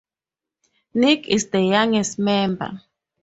Nick is the youngest member.